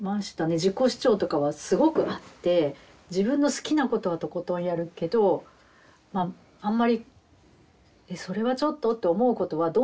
自己主張とかはすごくあって自分の好きなことはとことんやるけどあんまりそれはちょっとって思うことはどんなに言われてもやらないような。